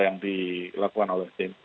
yang dilakukan oleh jnk